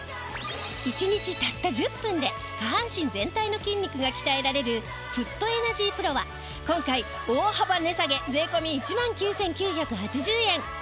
１日たった１０分で下半身全体の筋肉が鍛えられるフットエナジープロは今回大幅値下げ税込１万９９８０円。